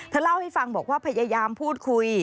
เล่าให้ฟังบอกว่าพยายามพูดคุย